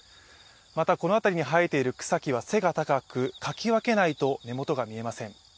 またこの辺りに生えている草木は背が高くかき分けないと根元が見えません。